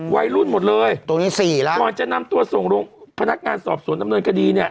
วัยรุ่นหมดเลยตัวนี้สี่แล้วก่อนจะนำตัวส่งลงพนักงานสอบสวนดำเนินคดีเนี่ย